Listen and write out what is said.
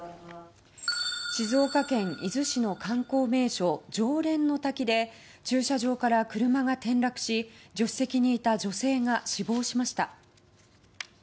静岡県伊豆市の観光名所浄蓮の滝で駐車場から車が転落し助手席にいた女性が死亡しました。